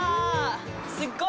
すっごい。